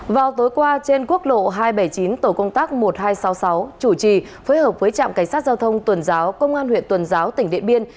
vào tối qua trên quốc lộ hai trăm bảy mươi chín tổ công tác một nghìn hai trăm sáu mươi sáu chủ trì phối hợp với trạm cảnh sát giao thông tuần giáo công an huyện tuần giáo tỉnh điện biên